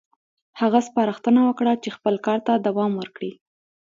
هغه سپارښتنه وکړه چې خپل کار ته دوام ورکړي.